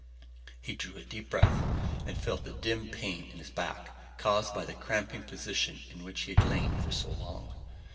He drew a deep breath and felt a dim pain in his back, caused by the cramping position in which he had lain for so long.